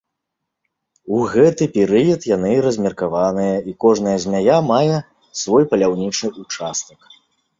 У гэты перыяд яны размеркаваныя, і кожная змяя мае свой паляўнічы ўчастак.